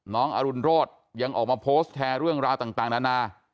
น้องอรุณโรธยังออกมาโพสต์แทนเรื่องราวต่างต่างนานา